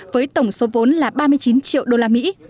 với tổng số vốn là ba mươi chín triệu usd